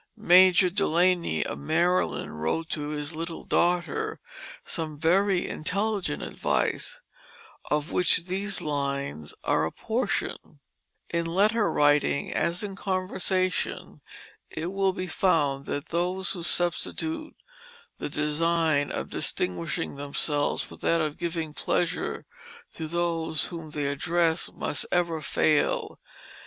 Major Dulany of Maryland wrote to his little daughter some very intelligent advice, of which these lines are a portion: "In letter writing as in conversation it will be found that those who substitute the design of distinguishing themselves for that of giving pleasure to those whom they address must ever fail.